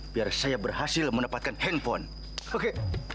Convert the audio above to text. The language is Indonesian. biar saya berhasil mendapatkan handphone oke